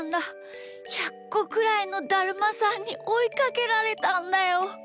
１００こくらいのだるまさんにおいかけられたんだよ。